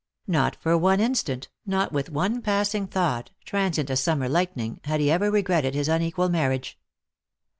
Not for one instant, not with one passing thought, transient as summer lightning, had he ever regretted his unequal marriage.